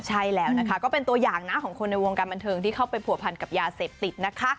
ใช่แล้วนะคะก็เป็นตัวอย่างนะของคนในวงการบันเทิงที่เข้าไปผัวพันกับยาเสพติดนะคะ